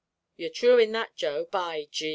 "You're thrue in that, Joe, by G d!"